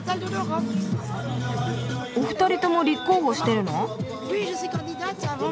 お二人とも立候補してるの？